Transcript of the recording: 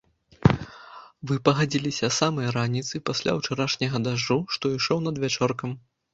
Выпагадзілася з самай раніцы пасля ўчарашняга дажджу, што ішоў надвячоркам.